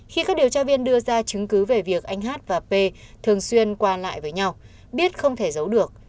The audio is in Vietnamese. khi các điều tra viên đưa ra chứng cứ về việc anh hát và p thường xuyên qua lại với nhau biết không thể giấu được